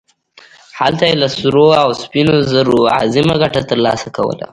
هلته یې له سرو او سپینو زرو عظیمه ګټه ترلاسه کوله.